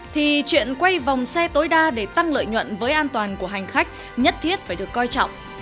thì chuyện quay vòng xe tối đa để tăng lợi nhuận với an toàn của hành khách nhất thiết phải được coi trọng